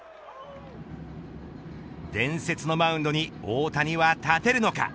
伝説のマウンドに大谷は立てるのか。